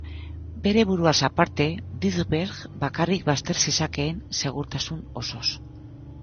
Bere buruaz aparte, Rydberg bakarrik bazter zezakeen segurtasun osoz.